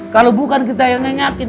kalau bukan kita yang yakin